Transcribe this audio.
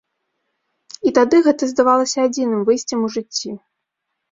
І тады гэта здавалася адзіным выйсцем у жыцці.